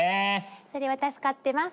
それは助かってます。